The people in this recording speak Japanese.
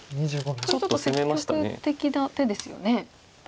これちょっと積極的な手ですよね。